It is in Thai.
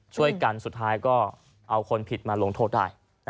สุดท้ายก็เอาคนผิดมาลงโทษได้